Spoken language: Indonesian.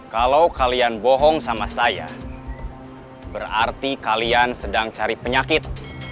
kalau kalian bohong sama saya berarti kalian sedang cari penyakit